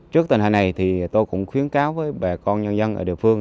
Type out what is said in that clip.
trước tình hình này thì tôi cũng khuyến cáo với bà con nhân dân ở địa phương